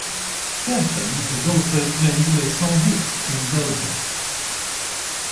Kerpen is also twinned with Saint Vith in Belgium.